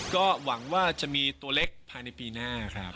ก็หวังว่าจะมีตัวเล็กที่พันครรภาพใบหน้าครับ